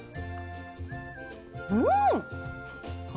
うん！